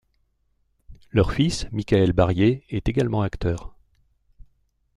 Leur fils, Michael Barrier, est également acteur.